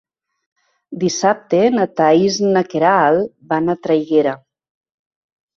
Dissabte na Thaís i na Queralt van a Traiguera.